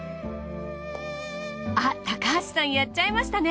あっ高橋さんやっちゃいましたね